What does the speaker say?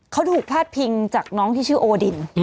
เขาถูกพาดพิงจากน้องที่ชื่อโอดิน